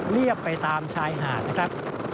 เรียบไปตามชายหาดนะครับ